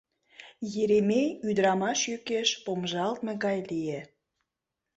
Еремей ӱдырамаш йӱкеш помыжалтме гай лие.